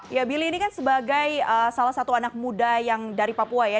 ya billy ini kan sebagai salah satu anak muda yang dari papua ya